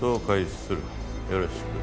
よろしく。